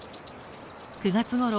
９月ごろ